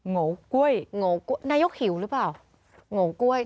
โงกล้วยโงกล้วยนายกหิวหรือเปล่าโงกล้วย